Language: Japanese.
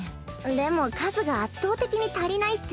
でも数が圧倒的に足りないっス。